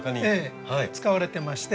使われてまして。